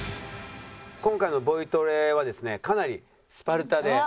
今回のボイトレはですねかなりスパルタで厳しい先生